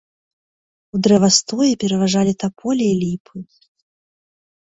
У дрэвастоі пераважалі таполі і ліпы.